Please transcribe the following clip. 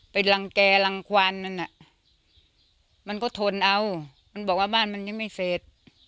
รังแก่รังควานนั่นน่ะมันก็ทนเอามันบอกว่าบ้านมันยังไม่เสร็จ